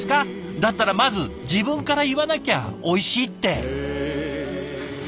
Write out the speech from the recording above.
だったらまず自分から言わなきゃ「おいしい」って。